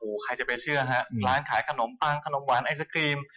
ใครจะไปเชื่อฮะร้านขายขนมปังขนมหวานไอศครีม